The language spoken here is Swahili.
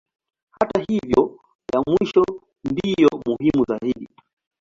Hata hivyo ya mwisho ndiyo muhimu zaidi.